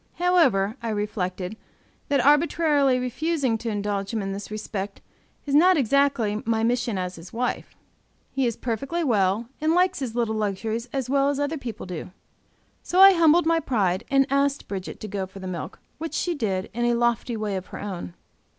However, I reflected, that arbitrarily refusing to indulge him in this respect is not exactly my mission as his wife; he is perfectly well, and likes his little luxuries as well as other people do. So I humbled my pride and asked Bridget to go for the milk, which she did, in a lofty way of her own.